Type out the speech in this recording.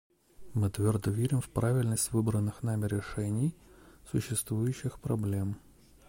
Мы твердо верим в правильность выбранных нами решений существующих проблем.